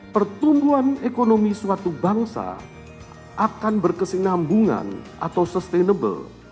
pertumbuhan ekonomi suatu bangsa akan berkesinambungan atau sustainable